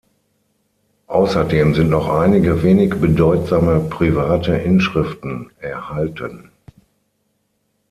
Außerdem sind noch einige wenig bedeutsame private Inschriften erhalten.